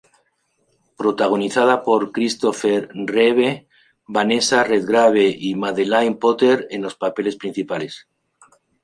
Protagonizada por Christopher Reeve, Vanessa Redgrave y Madeleine Potter en los papeles principales.